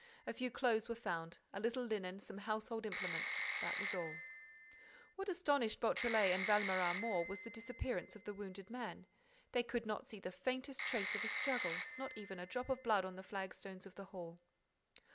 A few clothes were found, a little linen, some household implements; and that was all. What astonished Beautrelet and Valméras more was the disappearance of the wounded man. They could not see the faintest trace of a struggle, not even a drop of blood on the flagstones of the hall.